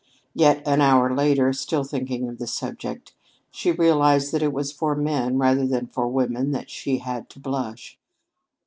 Yet, an hour later, still thinking of the subject, she realized that it was for men rather than for women that she had to blush.